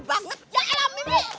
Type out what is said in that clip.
banyak juga diorang